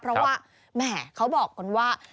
เพราะว่าแหมเขาบอกกันว่า